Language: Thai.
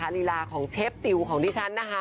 ดีลาของเชฟติวดีชัน